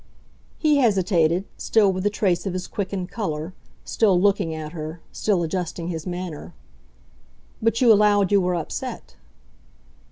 He hesitated, still with the trace of his quickened colour, still looking at her, still adjusting his manner. "But you allowed you were upset."